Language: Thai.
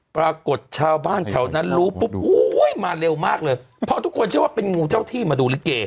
ปรากฏชาวบ้านแถวนั้นรู้ปุ๊บโอ้ยมาเร็วมากเลยเพราะทุกคนเชื่อว่าเป็นงูเจ้าที่มาดูลิเก